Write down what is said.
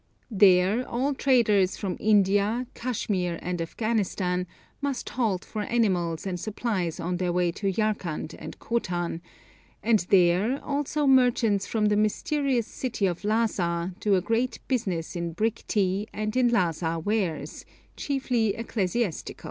There all traders from India, Kashmir, and Afghanistan must halt for animals and supplies on their way to Yarkand and Khotan, and there also merchants from the mysterious city of Lhassa do a great business in brick tea and in Lhassa wares, chiefly ecclesiastical.